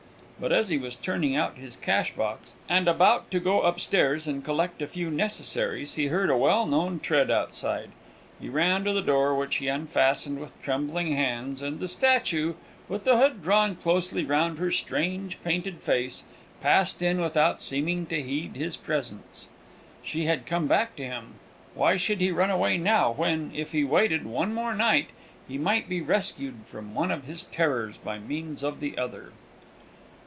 But as he was turning out his cashbox, and about to go upstairs and collect a few necessaries, he heard a well known tread outside. He ran to the door, which he unfastened with trembling hands, and the statue, with the hood drawn closely round her strange painted face, passed in without seeming to heed his presence. She had come back to him. Why should he run away now, when, if he waited one more night, he might be rescued from one of his terrors by means of the other?